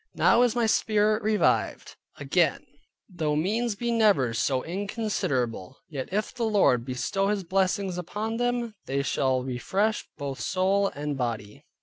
Now is my spirit revived again; though means be never so inconsiderable, yet if the Lord bestow His blessing upon them, they shall refresh both soul and body.